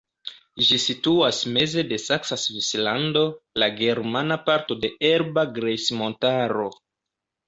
Ĝi situas meze de Saksa Svislando, la germana parto de Elba Grejsmontaro.